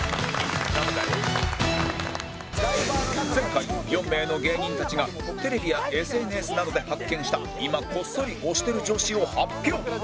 前回４名の芸人たちがテレビや ＳＮＳ などで発見した今こっそり推してる女子を発表